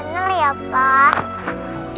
benar ya pak